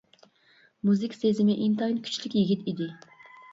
مۇزىكا سېزىمى ئىنتايىن كۈچلۈك يىگىت ئىدى.